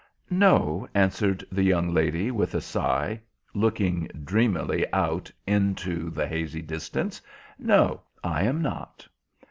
"No," answered the young lady, with a sigh, looking dreamily out into the hazy distance. "No, I am not."